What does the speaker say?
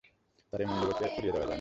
তাঁর এ মন্তব্যকে উড়িয়ে দেয়া যায় না।